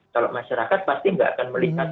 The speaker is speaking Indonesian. kalau masyarakat pasti nggak akan melihat